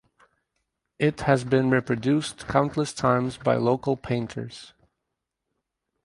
It has been reproduced countless times by local painters.